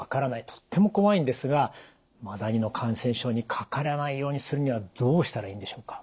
とっても怖いんですがマダニの感染症にかからないようにするにはどうしたらいいんでしょうか？